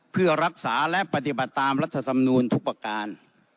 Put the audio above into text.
เพื่อรักษาและปฏิบัติตามรัฐธรรมนูลทุกประการ